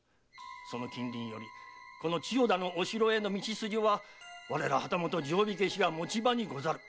その近隣よりこの千代田のお城への道筋は我ら旗本定火消しが持ち場にござる。